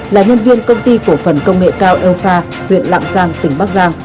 là nhân viên công ty của phần công nghệ cao elpha huyện lạng giang tỉnh bắc giang